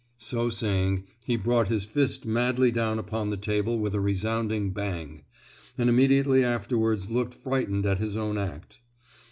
So saying, he brought his fist madly down upon the table with a resounding bang, and immediately afterwards looked frightened at his own act.